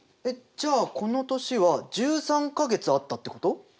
えっじゃあこの年は１３か月あったってこと？